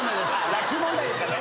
ラッキー問題だから。